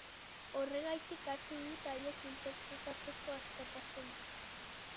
Horregatik hartu dut haiek interpretatzeko askatasuna.